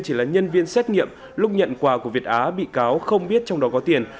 chỉ là nhân viên xét nghiệm lúc nhận quà của việt á bị cáo không biết trong đó có tiền